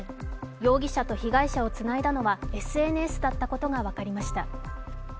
容疑者と被害者をつないだのはＳＮＳだったことが分かりました。